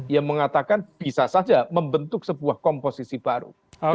yang mengatakan bisa saja membentuk sebuah komposisi baru